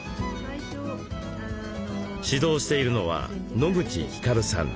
指導しているのは野口光さん。